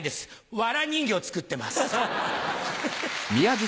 わら人形作ってます。